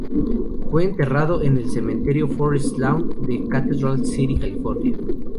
Fue enterrado en el Cementerio Forest Lawn de Cathedral City, California.